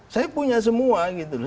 saya punya semua gitu loh